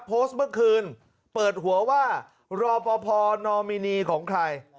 โพสต์เมื่อคืนเปิดหัวว่ารอปภนอมินีของใคร